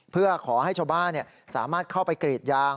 เพื่อขอให้ชาวบ้านสามารถเข้าไปกรีดยาง